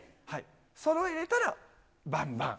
そろえれたらバンバン！